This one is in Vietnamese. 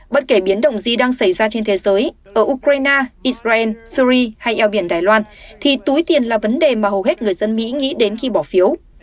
bất kể biến động gì đang xảy ra trên thế giới ở ukraine israel syri hay eo biển đài loan thì túi tiền là vấn đề mà hầu hết người dân mỹ nghĩ đến khi bỏ phiếu